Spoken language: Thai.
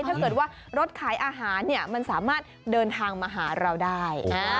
ถ้าเกิดว่ารถขายอาหารมันสามารถเดินทางมาหาเราได้